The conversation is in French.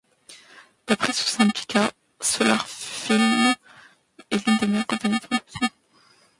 D'après ce syndicat, Solar Films Inc. est l'une des meilleures compagnie de production.